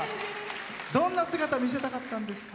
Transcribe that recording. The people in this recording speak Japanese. どんな姿、見せたかったんですか。